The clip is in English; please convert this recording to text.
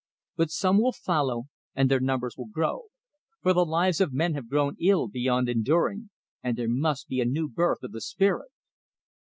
But some will follow, and their numbers will grow; for the lives of men have grown ill beyond enduring, and there must be a new birth of the spirit.